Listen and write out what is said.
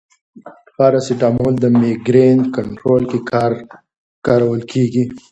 پاراسټامول د مېګرین کنټرول کې کارول کېږي.